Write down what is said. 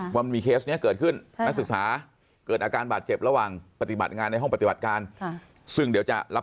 ความมีเคสนี้เกิดขึ้นแม่ศึกษาเกิดอาการบาดเจ็บระหว่างปฏิบัติงานในห้องปฏิบัติการ